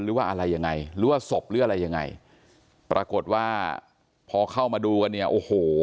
หรือว่าอะไรยังไงหรือว่าศพหรืออะไรยังไงปรากฏว่าพอเข้ามาดูกันเนี่ยโอ้โห